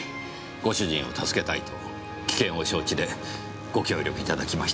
ご主人を助けたいと危険を承知でご協力いただきました。